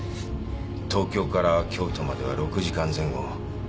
東京から京都までは６時間前後。